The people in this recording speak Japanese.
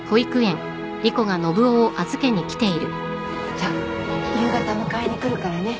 じゃ夕方迎えに来るからね。